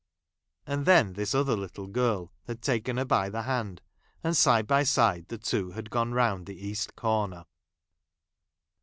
And then this other little girl had taken her by 'the hand, and side by side the two had gone round the east corner.